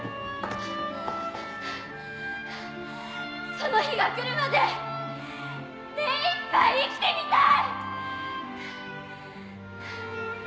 「その日が来るまで目いっぱい生きてみたい！」